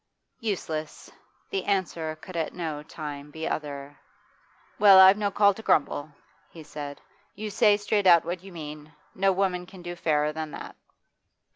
Useless; the answer could at no time be other. 'Well, I've no call to grumble,' he said. 'You say straight out what you mean. No woman can do fairer than that.